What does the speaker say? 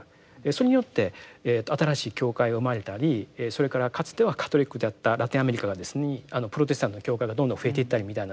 それによって新しい教会が生まれたりそれからかつてはカトリックであったラテンアメリカにプロテスタントの教会がどんどん増えていったりみたいなですね